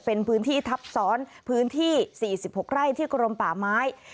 เป็นพื้นที่ทับซ้อนพื้นที่๔๖ไร่ที่กรมป่าไม้